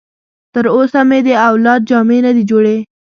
تر اوسه مې د اولاد جامې نه دي جوړې.